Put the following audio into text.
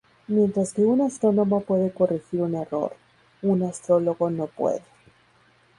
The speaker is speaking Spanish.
Mientras que un astrónomo puede corregir un error, un astrólogo no puede.